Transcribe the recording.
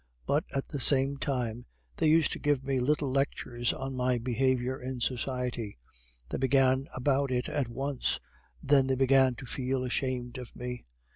But, at the same time, they used to give me little lectures on my behavior in society; they began about it at once. Then they began to feel ashamed of me.